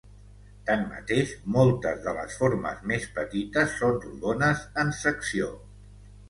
Tanmateix, moltes de les formes més petites són rodones en secció.